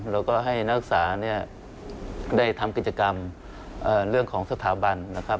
แล้วก็ให้นักศึกษาได้ทำกิจกรรมเรื่องของสถาบันนะครับ